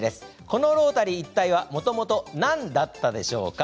このロータリー一帯はもともと何だったでしょうか？